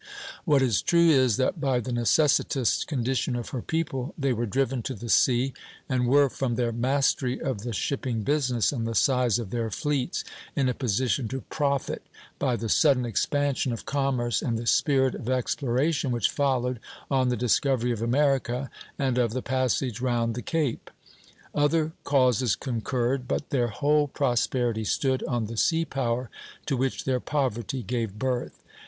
What is true, is, that by the necessitous condition of her people they were driven to the sea, and were, from their mastery of the shipping business and the size of their fleets, in a position to profit by the sudden expansion of commerce and the spirit of exploration which followed on the discovery of America and of the passage round the Cape. Other causes concurred, but their whole prosperity stood on the sea power to which their poverty gave birth.